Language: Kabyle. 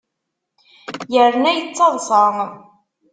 Yerna yettaḍṣa.